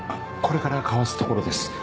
これから交わすところです。